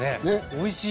おいしい！